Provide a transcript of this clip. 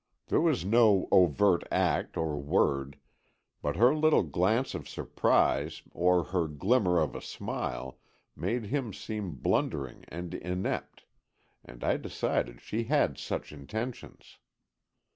There was no overt act or word, but her little glance of surprise or her glimmer of a smile made him seem blundering and inept, and I decided she had such intentions.